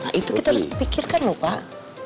nah itu kita harus pikirkan lho pak